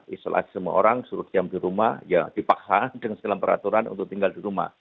isolasi semua orang suruh diam di rumah ya dipaksa dengan segala peraturan untuk tinggal di rumah